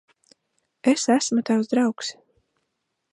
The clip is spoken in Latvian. Es esmu tavs draugs.